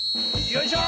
よいしょ！